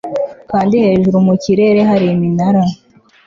Kandi hejuru mu kirere hari iminara